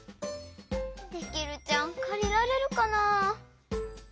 「デキルちゃん」かりられるかな。